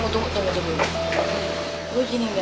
tunggu tunggu tunggu